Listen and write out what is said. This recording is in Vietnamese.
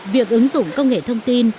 việc ứng dụng công nghệ thông tin